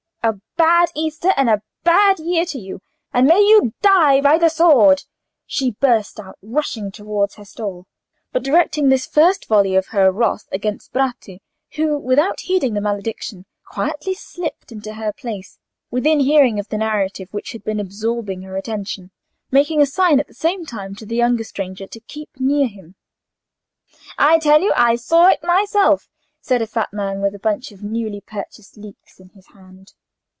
"A bad Easter and a bad year to you, and may you die by the sword!" she burst out, rushing towards her stall, but directing this first volley of her wrath against Bratti, who, without heeding the malediction, quietly slipped into her place, within hearing of the narrative which had been absorbing her attention; making a sign at the same time to the younger stranger to keep near him. "I tell you I saw it myself," said a fat man, with a bunch of newly purchased leeks in his hand.